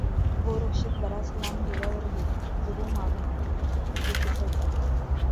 गोरक्ष बराच लांब गेल्यावरही गुरू मागून येतच होता.